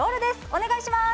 お願いします。